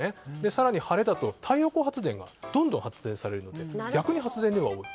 更に晴れだと太陽光発電がどんどん発電されるので逆に発電量が多い。